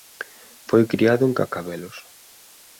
Foi criado en Cacabelos.